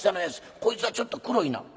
こいつはちょっと黒いな。